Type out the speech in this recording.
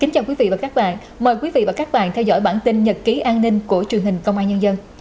chào mừng quý vị đến với bản tin nhật ký an ninh của truyền hình công an nhân dân